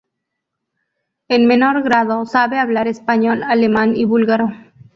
En menor grado sabe hablar español, alemán y búlgaro.